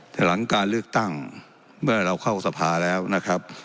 แต่หลังการเลือกตั้งเมื่อเราเข้าสภาแล้วนะครับ